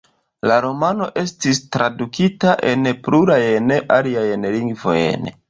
La romano estis tradukita en plurajn aliajn lingvojn.